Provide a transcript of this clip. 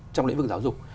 trong lĩnh vực giáo dục